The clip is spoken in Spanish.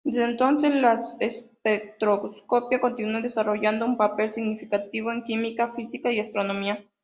Desde entonces, la espectroscopia continúa desarrollando un papel significativo en química, física y astronomía.